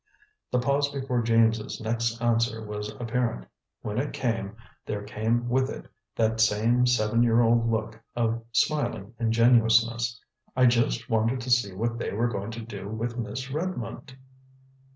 The pause before James's next answer was apparent. When it came, there came with it that same seven year old look of smiling ingenuousness. "I just wanted to see what they were going to do with Miss Redmond."